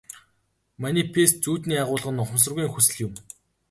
Манифест зүүдний агуулга нь ухамсаргүйн хүсэл юм.